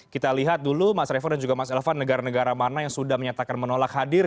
kita lihat dulu mas revo dan juga mas elvan negara negara mana yang sudah menyatakan menolak hadir